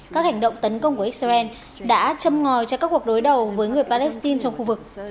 các hành động tấn công của israel đã châm ngòi cho các cuộc đối đầu với người palestine trong khu vực